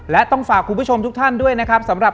และต้องฝากคุณผู้ชมทุกท่านด้วยนะครับสำหรับ